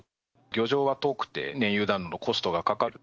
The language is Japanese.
漁場は遠くて、燃油などのコストがかかる。